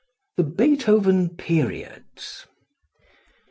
The Beethoven Periods.